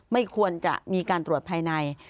ไม่ควรจะมีการตรวจภายใน